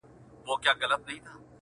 جانانه ولاړې اسماني سوې-